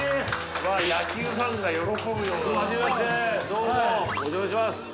うわ野球ファンが喜ぶようなどうもお邪魔します